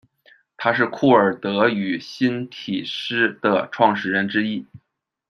他是库尔德语新体诗的创始人之一。